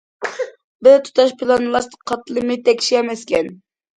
بىر تۇتاش پىلانلاش قاتلىمى تەكشى ئەمەسكەن.